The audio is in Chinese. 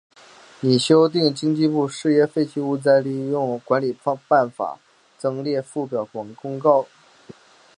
拟修订经济部事业废弃物再利用管理办法增列附表公告再利用编号五十九混烧灰协调会。